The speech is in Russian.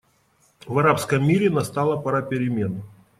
В арабском мире настала пора перемен.